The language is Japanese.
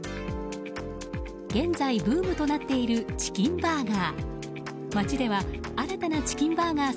現在、ブームとなっているチキンバーガー。